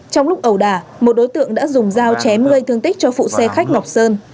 trong lúc ẩu đà một đối tượng đã dùng dao chém gây thương tích cho phụ xe khách ngọc sơn